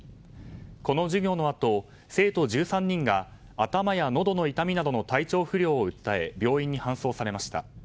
この授業のあと、生徒１３人が頭やのどの痛みなどの体調不良を訴え病院に搬送されました。